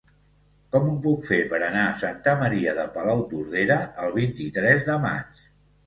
Com ho puc fer per anar a Santa Maria de Palautordera el vint-i-tres de maig?